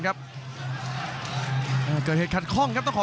กรรมการเตือนทั้งคู่ครับ๖๖กิโลกรัม